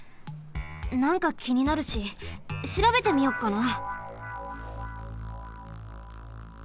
なんかきになるししらべてみよっかな。